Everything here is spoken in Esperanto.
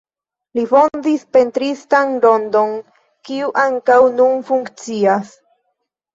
Li fondis pentristan rondon, kiu ankaŭ nun funkcias.